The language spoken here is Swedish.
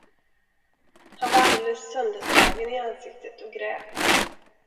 Han var alldeles sönderslagen i ansiktet och grät.